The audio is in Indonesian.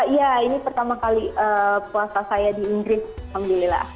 iya ini pertama kali puasa saya di inggris alhamdulillah